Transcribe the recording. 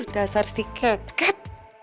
dasar si keket